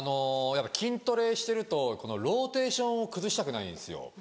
筋トレしてるとローテーションを崩したくないんですよ。